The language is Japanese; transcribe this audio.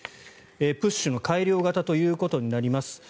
プッシュの改良型ということになります。